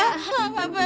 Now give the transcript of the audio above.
apa yang udah be